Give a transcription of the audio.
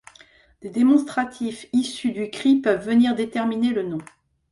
Des démonstratifs issus du cris peuvent venir déterminer le nom.